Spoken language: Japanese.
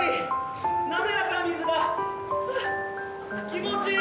気持ちいい